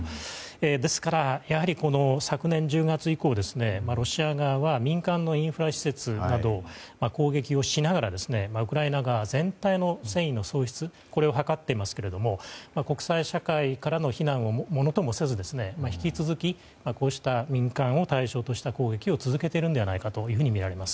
ですから昨年１０月以降ロシア側は民間のインフラ施設などを攻撃をしながらウクライナ側全体の戦意の喪失を図っていますが国際社会からの非難をものともせず引き続きこうした民間を対象とした攻撃を続けているのではないかとみられます。